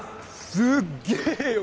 すっげえよ